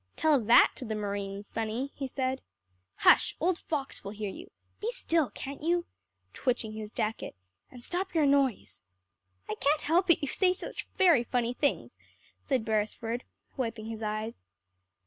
"Tell that to the marines, sonny," he said. "Hush old Fox will hear you. Be still, can't you?" twitching his jacket "and stop your noise." "I can't help it; you say such very funny things," said Beresford, wiping his eyes.